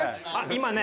今ね。